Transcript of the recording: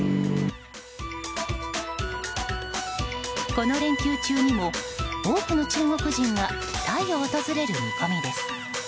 この連休にも多くの中国人がタイを訪れる見込みです。